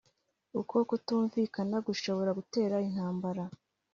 . Uko kutumvikana gushobora gutera intambara